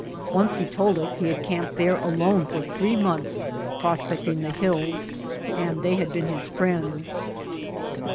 Once, he told us, he had camped there alone for three months prospecting the hills, and they had been his friends.